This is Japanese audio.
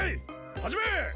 始め！